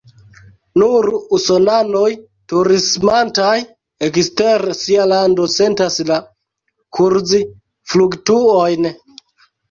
Nur usonanoj turismantaj ekster sia lando sentas la kurzfluktuojn.